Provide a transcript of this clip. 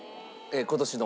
今年の。